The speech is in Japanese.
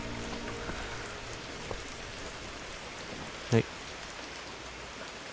はい。